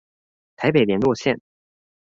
台北聯絡線